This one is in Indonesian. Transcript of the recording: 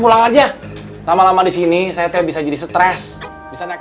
pulang aja lama lama di sini saya bisa jadi stres bisa naik